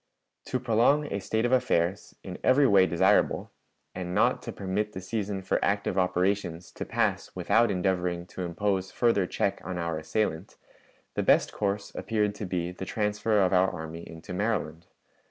To prolong a state of affairs, in every way desirable, and not to permit the season for active operations to pass without endeavoring to impose further check on our assailant, the best course appeared to be the transfer of our army into Maryland.